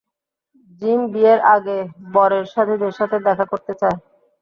Gym বিয়ের আগে বরের সাথীদের সাথে দেখা করতে চায়।